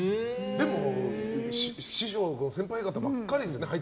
でも、師匠先輩方ばかりですよね。